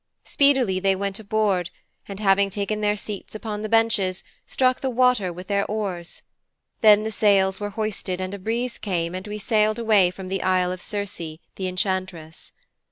Speedily they went aboard, and, having taken their seats upon the benches, struck the water with their oars. Then the sails were hoisted and a breeze came and we sailed away from the Isle of Circe, the Enchantress.'